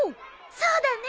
そうだね。